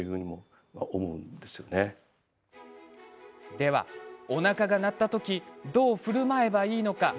では、おなかが鳴った時どうふるまえばいいのか。